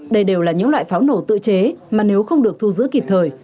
đây đều là những loại pháo nổ tự chế mà nếu không được thu giữ kịp thời